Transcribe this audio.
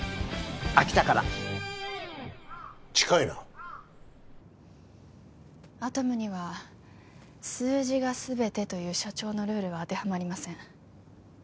秋田から近いなアトムには数字が全てという社長のルールは当てはまりません